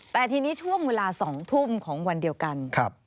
แต่ทีนี้ช่วงเวลา๒ทุ่มของวันเดียวกัน